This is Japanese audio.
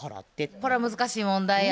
これは難しい問題やな。